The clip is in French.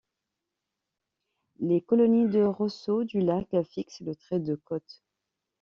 Les colonies de roseaux du lac fixent le trait de côte.